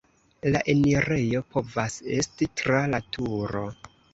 La enirejo povas esti tra la turo.